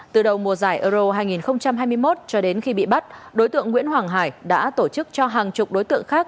từ đầu mùa giải euro hai nghìn hai mươi một cho đến khi bị bắt đối tượng nguyễn hoàng hải đã tổ chức cho hàng chục đối tượng khác